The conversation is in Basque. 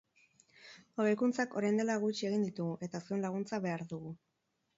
Hobekuntzak orain dela gutxi egin ditugu eta zuen laguntza behar dugu.